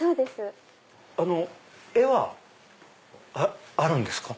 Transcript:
あの絵はあるんですか？